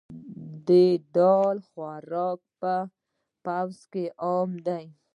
د دال خوراک په پوځ کې عام دی.